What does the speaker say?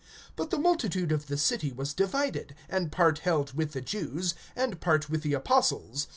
(4)But the multitude of the city was divided; and part held with the Jews, and part with the apostles.